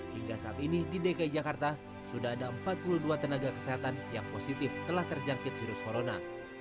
hingga saat ini di dki jakarta sudah ada empat puluh dua tenaga kesehatan yang positif telah terjangkit virus corona